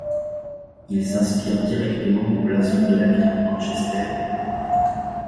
Il s'inspire directement du blason de la ville de Manchester.